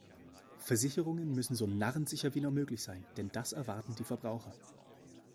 Versicherungen müssen so narrensicher wie nur möglich sein, denn das erwarten die Verbraucher.